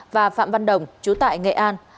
và phạm văn đồng chú tại nghệ an